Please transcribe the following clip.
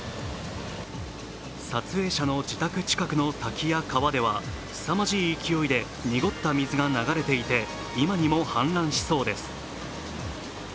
撮影者の自宅近くの滝や川ではすさまじい勢いで濁った水が流れていて今にも氾濫しそうです。